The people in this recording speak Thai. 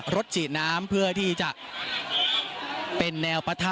ฉีดน้ำเพื่อที่จะเป็นแนวปะทะ